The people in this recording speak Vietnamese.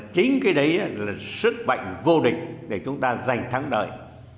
chính cái đấy là sức mạnh vô địch để chúng ta giành thắng đợi